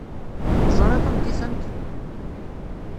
Teẓriḍ anti-tent?